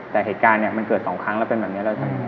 แต่เหตุการณ์เนี่ยมันเกิด๒ครั้งแล้วเป็นแบบนี้แล้ว